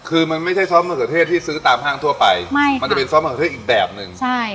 คือมันไม่ใช่ซอสมะเขือเทศที่ซื้อตามห้างทั่วไปไม่มันจะเป็นซอสมะเขือเทศอีกแบบหนึ่งใช่